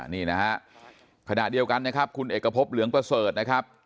นี่นะฮะขณะเดียวกันนะครับคุณเอกพบเหลืองประเสริฐนะครับ